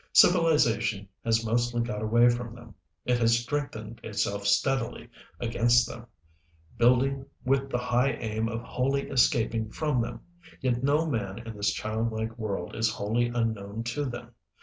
Civilization has mostly got away from them, it has strengthened itself steadily against them, building with the high aim of wholly escaping from them, yet no man in this childlike world is wholly unknown to them.